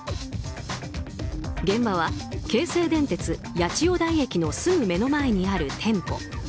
現場は京成電鉄八千代台駅のすぐ目の前にある店舗。